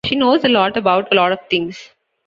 She knows a lot about a lot of things.